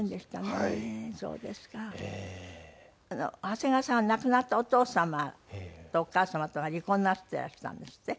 長谷川さんは亡くなったお父様とお母様とは離婚なすっていらしたんですって？